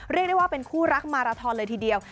เรียกได้ว่าเป็นคู่รักมาราทอนเลยทีเดียว